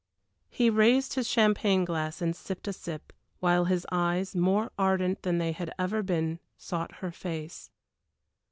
He raised his champagne glass and sipped a sip, while his eyes, more ardent than they had ever been, sought her face.